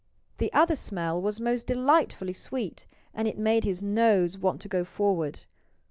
The other smell was most delightfully sweet. And it made his nose want to go forward.